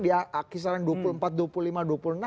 di kisaran dua puluh empat dua puluh lima dua puluh enam